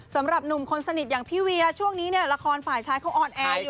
สำหรับหนุ่มคนสนิทอย่างพี่เวียช่วงนี้เนี่ยละครฝ่ายชายเขาออนแอร์อยู่